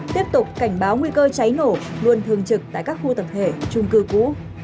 tiếp tục cảnh báo nguy cơ cháy nổ luôn thường trực tại các khu tập thể trung cư cũ